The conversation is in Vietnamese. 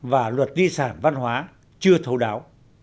và luật di sản văn hóa chưa thấu đáo